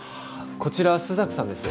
こちら朱雀さんです。